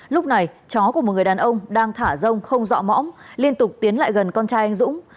lúc này cháu của một người đàn ông đang thả rông không dọa mõm liên tục tiến lại gần con trai anh dũng